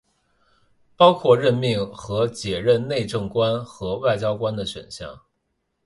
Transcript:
包括任命和解任内政管和外交官的选项。